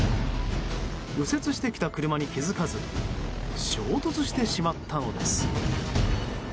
右折してきた車に気づかず衝突してしまったのです。